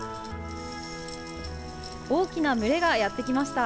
大きな群れがやって来ました。